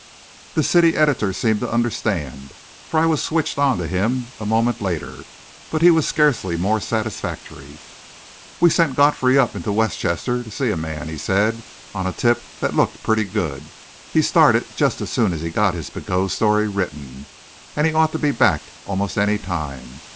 The city editor seemed to understand, for I was switched on to him a moment later. But he was scarcely more satisfactory. "We sent Godfrey up into Westchester to see a man," he said, "on a tip that looked pretty good. He started just as soon as he got his Pigot story written, and he ought to be back almost any time.